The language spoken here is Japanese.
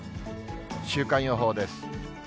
週間予報です。